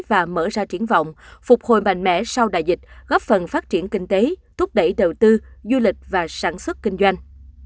và mở ra triển vọng phục hồi mạnh mẽ sau đại dịch góp phần phát triển kinh tế thúc đẩy đầu tư du lịch và sản xuất kinh doanh